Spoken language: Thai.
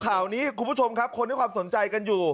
ข่าวนี้คุณผู้ชมครับคนให้ความสนใจกันอยู่